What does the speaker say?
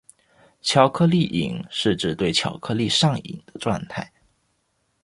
巧克力瘾是指对巧克力上瘾的状态。